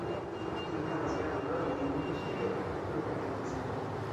Ili havas gravan rolon en industrio, agrikulturo kaj medicino.